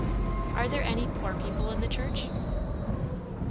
"Are there any poor people in the church?"